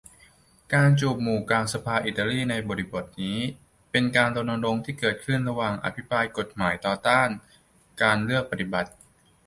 การจูบหมู่กลางสภาอิตาลีในบริบทนี้ เป็นการรณรงค์ที่เกิดขึ้นระหว่างอภิปรายกฎหมายต่อต้านการเลือกปฏิบัติ